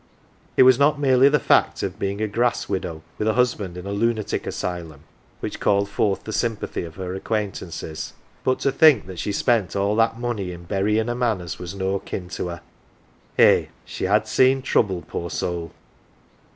It was not merely the fact of being a grass widow with a husband in a lunatic asylum which called forth the sympathy of her acquaintances " but to think that she spent all that money in bury in 1 a man as was no kin to her ?" eh, she had seen trouble, poor soul